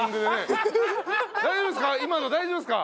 大丈夫ですか！？